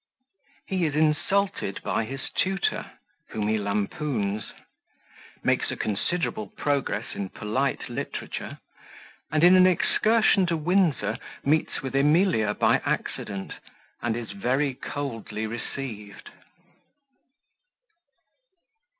He is insulted by his Tutor, whom he lampoons Makes a considerable Progress in Polite Literature; and, in an Excursion to Windsor, meets with Emilia by accident, and is very coldly received.